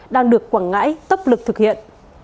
đang được quảng ngãi tốc lực thực hiện